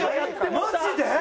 マジで？